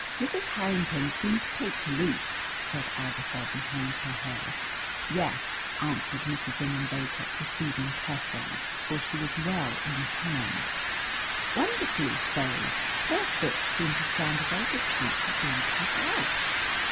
"Mrs. Harrington seemed to take to Luke," said Agatha, behind her hair. "Yes," answered Mrs. Ingham Baker, proceeding carefully, for she was well in hand "wonderfully so! Poor Fitz seems to stand a very good chance of being cut out."